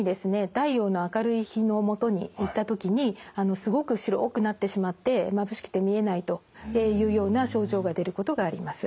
太陽の明るい日のもとに行った時にすごく白くなってしまってまぶしくて見えないというような症状が出ることがあります。